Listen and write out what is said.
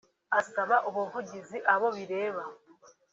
asaba ubuvugizi abo bireba